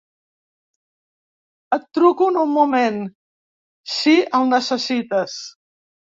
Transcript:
Et truco en un moment, si el necessites.